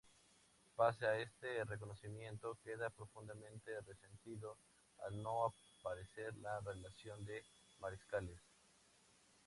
Pese a este reconocimiento, queda profundamente resentido al no aparecer la relación de mariscales.